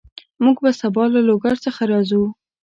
موږ به سبا له لوګر څخه راځو